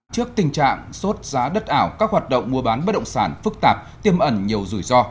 trước tình trạng sốt giá đất ảo các hoạt động mua bán bất động sản phức tạp tiêm ẩn nhiều rủi ro